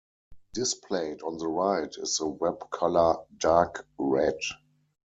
Displayed on the right is the web color dark red.